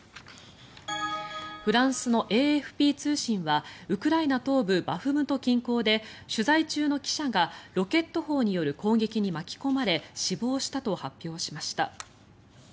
フランスのＡＦＰ通信はウクライナ東部バフムト近郊で取材中の記者がロケット砲による攻撃に巻き込まれ死亡したと発表しました。